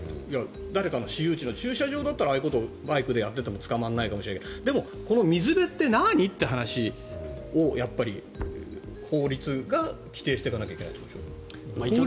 誰かの私有地の駐車場だったらああいうことをやってても捕まらないかもしれないけど水辺って何？って話をやっぱり法律が規定していかないといけないということでしょ。